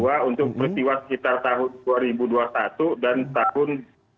dua untuk bersiwa sekitar tahun dua ribu dua puluh satu dan tahun dua ribu sembilan belas